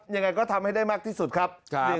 ยังไงก็ทำให้ได้มากที่สุดครับ